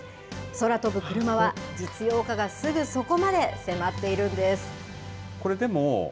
空飛ぶクルマは実用化がすぐそこまで迫っているんです。